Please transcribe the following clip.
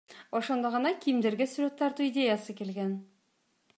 Ошондо ага кийимдерге сүрөт тартуу идеясы келген.